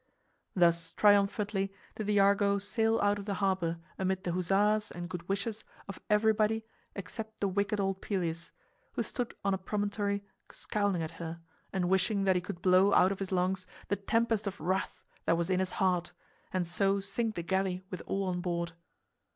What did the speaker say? Thus triumphantly did the Argo sail out of the harbor amid the huzzas and good wishes of everybody except the wicked old Pelias, who stood on a promontory scowling at her and wishing that he could blow out of his lungs the tempest of wrath that was in his heart and so sink the galley with all on board.